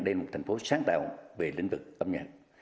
đây là một thành phố sáng tạo về lĩnh vực âm nhạc